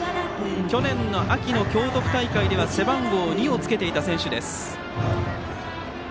去年秋の京都府大会では背番号２をつけていた選手です。